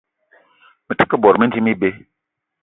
Me te ke bot mendim ibeu.